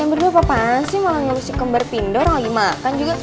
yang berdua apa apaan sih malah ngelusin kembar pindah orang lagi makan juga